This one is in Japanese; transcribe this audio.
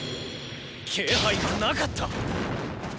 気配がなかった！